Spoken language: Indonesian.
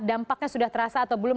dampaknya sudah terasa atau belum